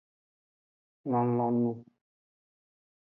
Lonlonu.